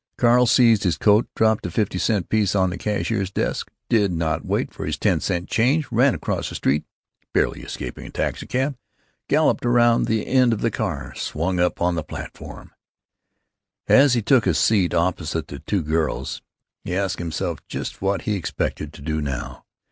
Carl seized his coat, dropped a fifty cent piece on the cashier's desk, did not wait for his ten cents change, ran across the street (barely escaping a taxicab), galloped around the end of the car, swung up on the platform. As he took a seat opposite the two girls he asked himself just what he expected to do now.